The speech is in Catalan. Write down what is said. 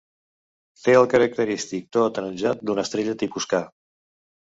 Té el característic to ataronjat d'una estrella tipus K.